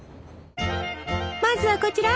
まずはこちら！